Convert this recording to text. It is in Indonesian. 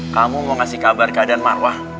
kamu mau ngasih kabar ke adan marwa